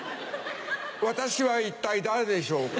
私は一体誰でしょうか？